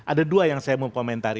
ada dua yang saya mau komentari